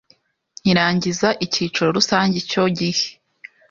Nkirangiza ikiciro rusange icyo gihe